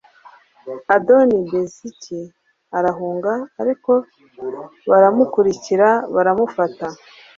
adoni bezeki arahunga, ariko baramukurikira baramufata